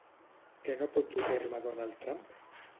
Què no pot dur a terme Donald Trump?